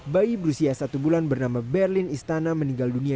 bayi berusia satu bulan bernama berlin istana meninggal dunia